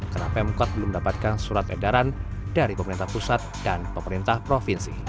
karena pemkot belum dapatkan surat edaran dari pemerintah pusat dan pemerintah provinsi